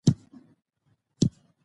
د ولسواکۍ ارزښت باید وساتل شي